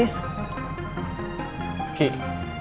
kok lo keluar sendirian sih